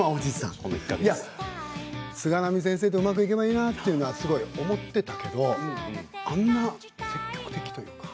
菅波先生とうまくいけばいいなと思っていたけれどあんなに積極的というか。